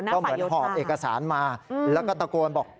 ก็เหมือนหอบเอกสารมาแล้วก็ตะโกนบอก